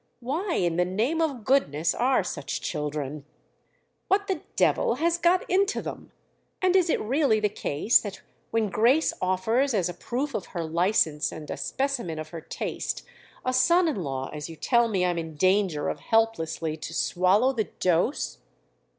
Why in the name of goodness are such children? What the devil has got into them, and is it really the case that when Grace offers as a proof of her license and a specimen of her taste a son in law as you tell me I'm in danger of helplessly to swallow the dose?"